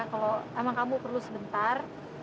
kalau emang kamu perlu sebentar